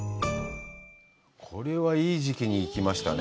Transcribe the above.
これはいい時期に行きましたね。